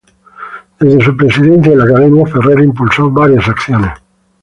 Desde su presidencia en la Academia, Ferrer impulsó varias acciones.